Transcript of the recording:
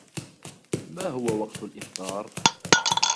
ما هو وقت الإفطار؟